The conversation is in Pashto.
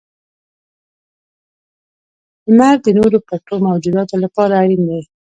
• لمر د نورو پټو موجوداتو لپاره اړین دی.